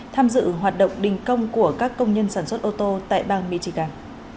tham dự hoạt động đình công của các công nhân sản xuất ô tô tại bang michigan